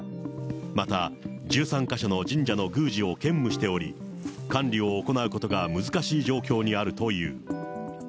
また１３か所の神社の宮司を兼務しており、管理を行うことが難しい状況にあるという。